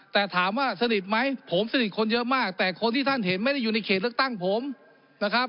แต่ถามว่าสนิทไหมผมสนิทคนเยอะมากแต่คนที่ท่านเห็นไม่ได้อยู่ในเขตเลือกตั้งผมนะครับ